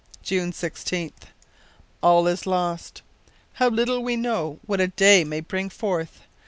"June 16th. All is lost! How little we know what a day may bring forth!